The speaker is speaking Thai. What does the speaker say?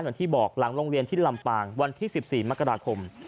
อย่างที่บอกหลังโรงเรียนที่ลำปางวันที่๑๔มกราคม